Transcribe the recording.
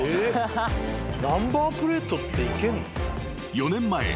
［４年前。